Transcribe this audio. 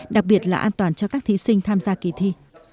đặc biệt là an toàn cho các thí sinh tham gia kỳ thi